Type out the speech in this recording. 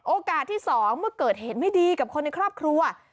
ที่๒เมื่อเกิดเหตุไม่ดีกับคนในครอบครัว